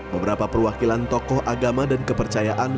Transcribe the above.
beberapa perwakilan tokoh agama dan kepercayaan